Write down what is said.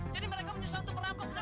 jadi mereka menyusahkan perampoknya